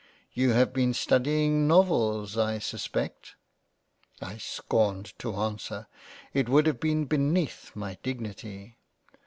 You have been studying Novels I suspect." I scorned to answer : it would have been beneath my dignity.